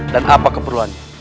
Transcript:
dan apa keperluannya